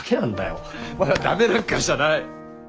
お前は駄目なんかじゃない。